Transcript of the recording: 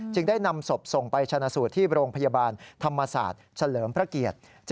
ได้นำศพส่งไปชนะสูตรที่โรงพยาบาลธรรมศาสตร์เฉลิมพระเกียรติ